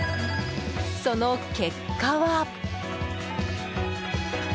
その結果は？